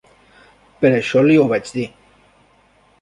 Per això li ho vaig dir.